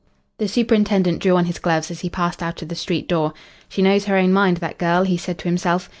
The superintendent drew on his gloves as he passed out of the street door. "She knows her own mind, that girl," he said to himself.